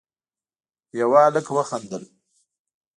يوه هلک وخندل: